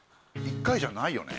１回じゃないよね？